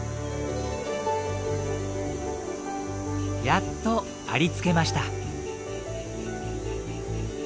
やっとありつけました。